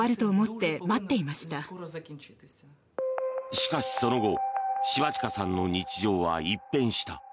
しかし、その後シヴァチカさんの日常は一変した。